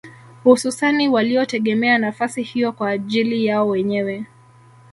Hususani waliotegemea nafasi hiyo kwa ajili yao wenyewe